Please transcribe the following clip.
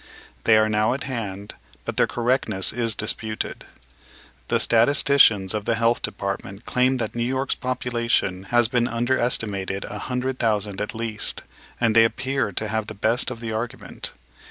They are now at hand, but their correctness is disputed. The statisticians of the Health Department cjaim that New York's population has been underestimated a hundred thousand at least, and thej appear to have the bast of the argument.